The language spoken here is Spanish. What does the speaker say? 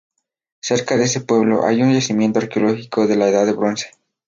Cerca de este pueblo hay un yacimiento arqueológico de la Edad del Bronce.